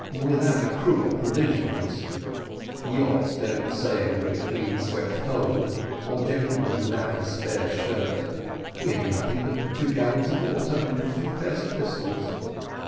"Without a crew or provisions yachts don't sail with a clean swept hold, or gentlemen without a spare shirt we have nothing but two gallons of water and two pairs of pistols."